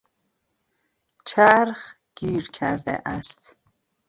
چرخ گیر کرده است.